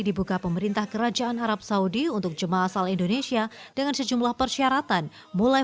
dibuka pemerintah kerajaan arab saudi untuk jemaah asal indonesia dengan sejumlah persyaratan mulai